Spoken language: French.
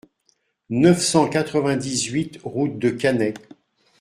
neuf cent quatre-vingt-dix-huit route de Cannet